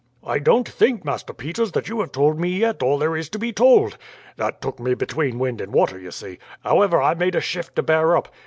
"'I don't think, Master Peters, that you have told me yet all there is to be told.' "That took me between wind and water, you see. However, I made a shift to bear up.